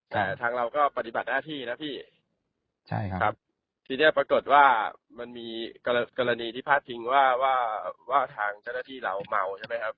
แต่ทางเราก็ปฏิบัติหน้าที่นะพี่ใช่ครับทีนี้ปรากฏว่ามันมีกรณีที่พาดพิงว่าว่าทางเจ้าหน้าที่เราเมาใช่ไหมครับ